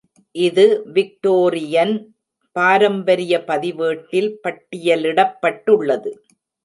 இது விக்டோரியன் பாரம்பரிய பதிவேட்டில் பட்டியலிடப்பட்டுள்ளது.